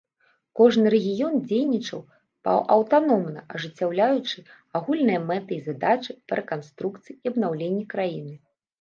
Кожны рэгіён дзейнічаў паўаўтаномна, ажыццяўляючы агульныя мэты і задачы па рэканструкцыі і абнаўленні краіны.